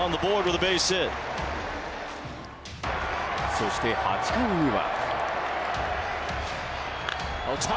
そして８回には。